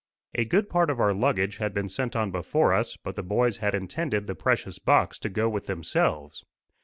A good part of our luggage had been sent on before us, but the boys had intended the precious box to go with themselves.